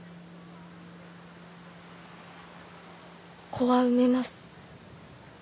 子は産めます。